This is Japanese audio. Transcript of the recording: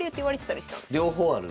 両方ある。